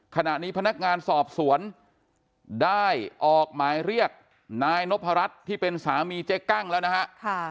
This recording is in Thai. ขณะนี้พนักงานสอบสวนได้ออกหมายเรียกนายนพรัชที่เป็นสามีเจ๊กั้งแล้วนะฮะ